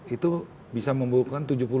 itu bisa membutuhkan